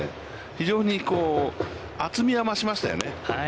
非常に厚みは増しましたよね。